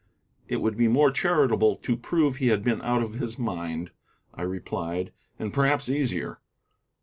"It would be more charitable to prove he had been out of his mind," I replied, "and perhaps easier."